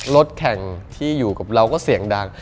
รถแข่งที่อยู่กับเราก็เสียงดัง